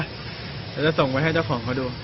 เดี๋ยวจะส่งไว้ให้เจ้าของเขาดู